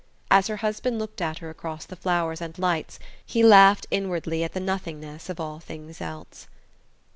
As her husband looked at her across the flowers and lights he laughed inwardly at the nothingness of all things else.